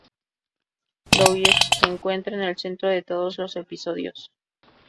Louie se encuentra en el centro de todos los episodios.